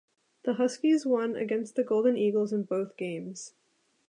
The Huskies won against the Golden Eagles in both games.